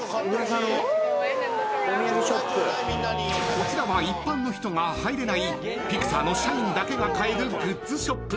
［こちらは一般の人が入れないピクサーの社員だけが買えるグッズショップ］